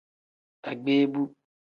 Agbeebu.